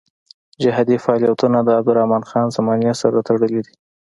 جهادي فعالیتونه د عبدالرحمن خان زمانې سره تړلي دي.